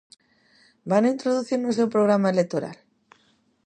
¿Vano introducir no seu programa electoral?